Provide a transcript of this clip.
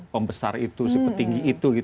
pembesar itu si petinggi itu